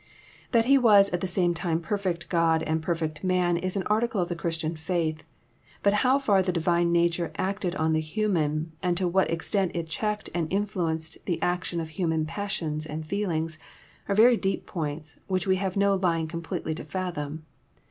That He was at the same time perfect God and perfect Man is an article of the Christian faith ; but how far the Divine nature acted on the human, and to what extent it checked and influenced the action of human passions and feelings, are very deep points, which we have no line completely to fathom.